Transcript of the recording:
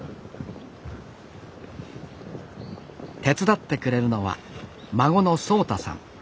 手伝ってくれるのは孫の蒼太さん